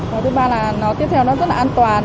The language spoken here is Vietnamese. và thứ ba là nó tiếp theo nó rất là an toàn